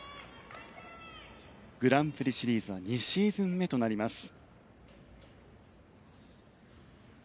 グランプリシリーズは２シーズン目となります。